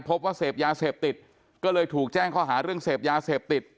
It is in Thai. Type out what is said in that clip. พบว่าเสพยาเสพติดก็เลยถูกแจ้งข้อหาเรื่องเสพยาเสพติด